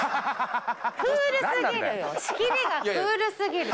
クールすぎる。